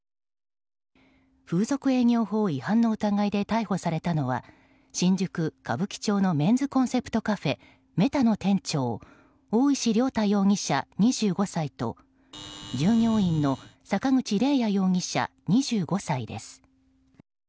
風俗営業法違反の疑いで逮捕されたのは新宿・歌舞伎町のメンズコンセプトカフェＭＥＴＡの店長大石涼太容疑者、２５歳と従業員の坂口怜也容疑者、２５歳です。